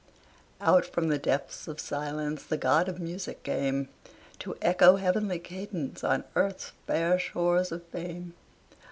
Out from the depths of silence The god of music came, To echo heavenly cadence On earth's fair shores of fame.